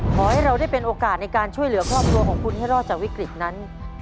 ขอให้เราได้เป็นโอกาสในการช่วยเหลือครอบครัวของคุณให้รอดจากวิกฤตนั้น